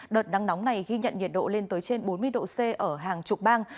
đợt nắng nóng này ghi nhận nhiệt độ lên tới trên bốn mươi độ c ở hàng chục bang